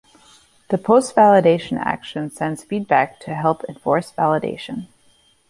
The Post-validation action sends feedback to help enforce validation.